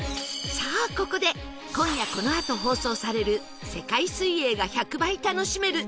さあここで今夜このあと放送される世界水泳が１００倍楽しめる